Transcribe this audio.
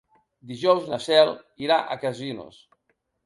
Dijous na Cel irà a Casinos.